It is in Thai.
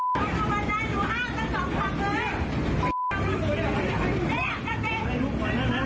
สวัสดีครับคุณผู้ชาย